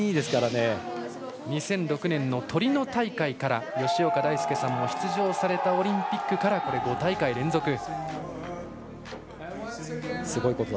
２００６年のトリノ大会から吉岡大輔さんも出場されたオリンピックから５大会連続。